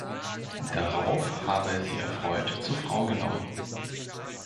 Darauf habe er sie erfreut zur Frau genommen.